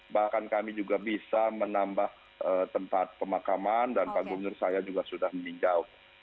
bahkan kami juga bisa menambah tempat pemakaman dan pak gubernur saya juga sudah meninjau